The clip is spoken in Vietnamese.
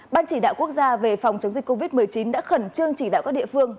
ban chỉ đạo quốc gia về phòng chống dịch covid một mươi chín đã khẩn trương chỉ đạo các địa phương